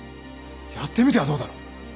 やってみてはどうだろう。